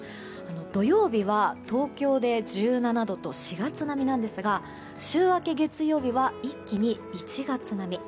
土曜日は東京で１７度と４月並みなんですが週明け月曜日は一気に１月並み。